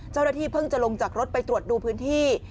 เจ้าหน้าที่เพิ่งจะลงจากรถไปตรวจดูพื้นที่